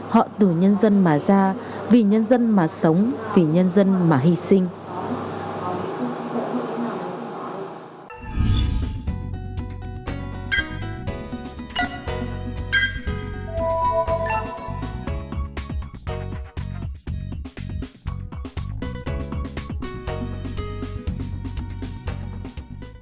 họ từ nhân dân mà ra vì nhân dân mà sống vì nhân dân mà hy sinh